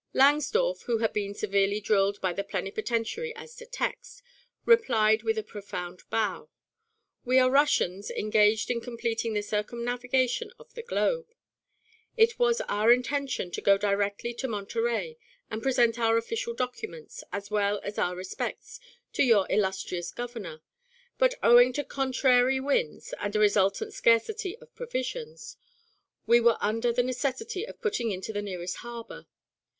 Langsdorff, who had been severely drilled by the plenipotentiary as to text, replied with a profound bow: "We are Russians engaged in completing the circumnavigation of the globe. It was our intention to go directly to Monterey and present our official documents, as well as our respects, to your illustrious Governor, but owing to contrary winds and a resultant scarcity of provisions, we were under the necessity of putting into the nearest harbor.